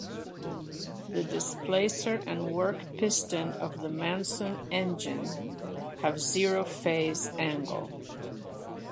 The displacer and work piston of the Manson Engine have zero phase angle.